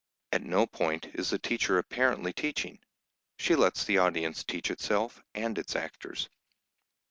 At no point is the teacher apparently teaching. She lets the audience teach itself and its actors.